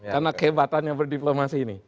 karena kehebatannya berdiplomasi ini